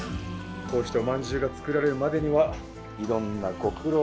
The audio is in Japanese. こうしておまんじゅうが作られるまでにはいろんなご苦労があったんですね。